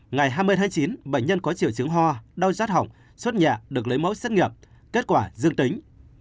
ngày hai mươi tháng chín bệnh nhân có triệu chứng hoa đau giác hỏng sốt nhẹ được lấy mẫu xét nghiệm kết quả dương tính